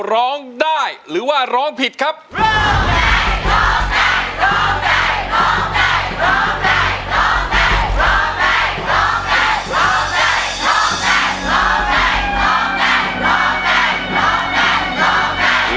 ร้องได้หรือว่าร้องผิดครับร้องได้ร้องได้ร้องได้ร้องได้ร้องได้